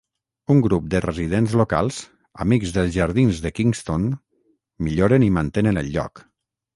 Un grup de residents locals, amics dels jardins de Kingston, milloren i mantenen el lloc.